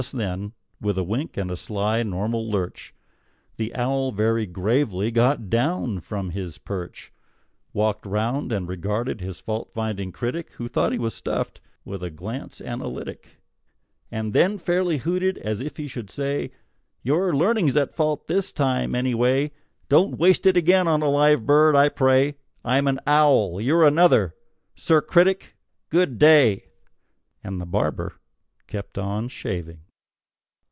Just then, with a wink and a sly normal lurch, The owl, very gravely, got down from his perch, Walked round, and regarded his fault finding critic (Who thought he was stuffed) with a glance analytic, And then fairly hooted, as if he should say: "Your learning's at fault this time, any way; Don't waste it again on a live bird, I pray. I'm an owl; you're another. Sir Critic, good day!" And the barber kept on shaving.